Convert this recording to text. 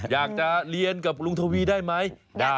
อยากลีกับลุงทวีได้ไหม